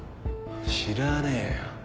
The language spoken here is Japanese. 知らねえよ。